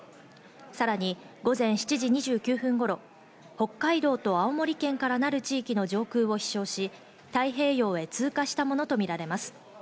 さらに午前７時２９分頃、北海道と青森県からなる地域の上空を飛翔し、太平洋へ通過したものとみられます。